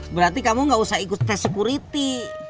berarti kamu gak usah ikut test security